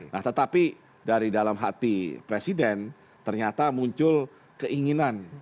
nah tetapi dari dalam hati presiden ternyata muncul keinginan